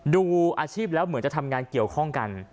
ดูอาชีพแล้วเหมือนจะทำงานเกี่ยวข้องกัน